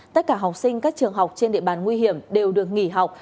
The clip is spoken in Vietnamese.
tất cả học sinh các trường học trên địa bàn nguy hiểm đều được nghỉ học